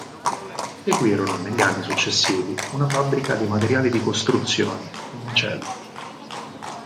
Seguirono negli anni successivi una fabbrica di materiali di costruzioni, un macello.